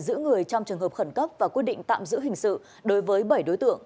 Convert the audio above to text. giữ người trong trường hợp khẩn cấp và quyết định tạm giữ hình sự đối với bảy đối tượng